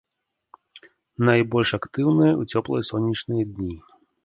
Найбольш актыўныя ў цёплыя сонечныя дні.